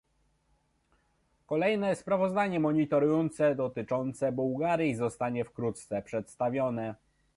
Kolejne sprawozdanie monitorujące dotyczące Bułgarii zostanie wkrótce przedstawione